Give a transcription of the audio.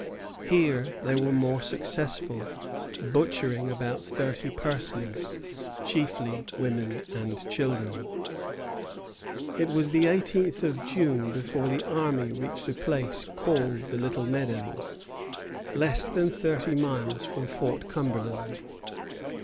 Here they were more successful, butchering about thirty persons, chiefly women and children. It was the eighteenth of June before the army reached a place called the Little Meadows, less than thirty miles from Fort Cumberland.